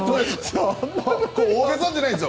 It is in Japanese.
大げさじゃないです。